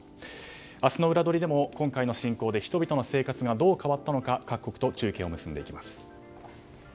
明日のウラどりでも今回の侵攻で人々の生活がどう変わったのか各国と中継を結びます。